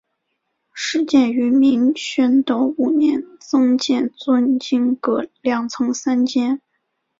始建于明宣德五年增建尊经阁两层三间。